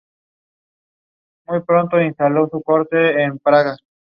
Siendo cada vez más numerosos.